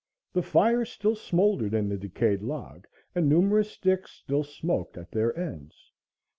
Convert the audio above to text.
The fire still smouldered in the decayed log and numerous sticks still smoked at their ends.